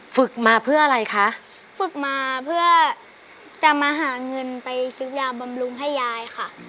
ฝึกมาเพื่ออะไรคะฝึกมาเพื่อจะมาหาเงินไปซื้อยาบำรุงให้ยายค่ะ